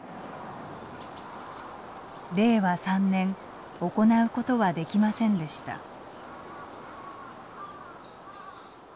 令和３年行うことはできませんでした。